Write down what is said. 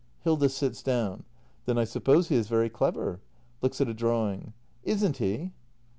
Hilda. [Sits down.] Then I suppose he is very clever. [Looks at a drawing.] Isn't he